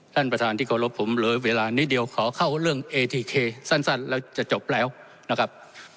ท่านประธานที่เคารพผมเหลือเวลานิดเดียวขอเข้าเรื่องเอทีเคสั้นแล้วจะจบแล้วนะครับ